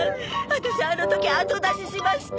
ワタシあの時後出ししました。